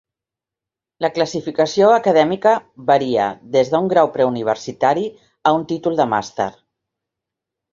La classificació acadèmica varia des d'un grau preuniversitari a un títol de màster.